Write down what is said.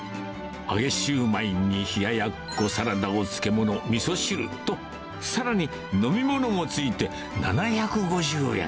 揚げシューマイに冷ややっこ、サラダ、お漬物、みそ汁と、さらに飲み物も付いて７５０円。